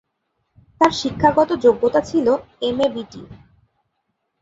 তার শিক্ষাগত যোগ্যতা ছিলে এমএ বিটি।